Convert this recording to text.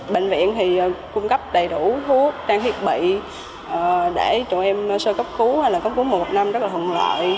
bệnh viện thì cung cấp đầy đủ thuốc trang thiết bị để tụi em sơ cấp cứu hay là cấp cứu một trăm một mươi năm rất là thuận lợi